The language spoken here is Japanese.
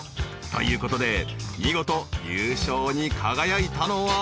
［ということで見事優勝に輝いたのは］